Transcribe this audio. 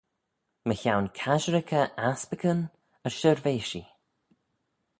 Mychione casherickey aspickyn as shirveishee.